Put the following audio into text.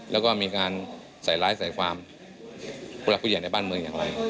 แล้วก็มีการใส่ร้ายใส่ความผู้หลักผู้ใหญ่ในบ้านเมืองอย่างไร